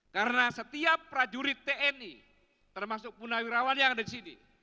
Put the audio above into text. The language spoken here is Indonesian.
karena setiap prajurit tni termasuk punah wirawan yang ada di sini